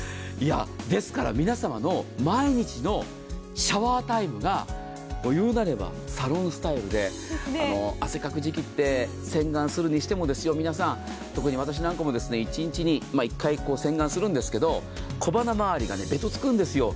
ですから皆様の毎日のシャワータイムが、言うなればサロンスタイルで、汗かく時期って、洗顔するにしても、皆さん、特に私なんかも一日に１回洗顔するんですけど小鼻まわりがべたつくんですよ。